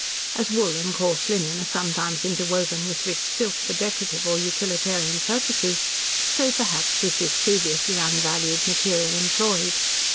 As wool and coarse linen are sometimes interwoven with rich silk for decorative or utilitarian purposes, so perhaps was this previously unvalued material employed.